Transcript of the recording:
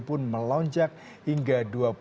pun melonjak hingga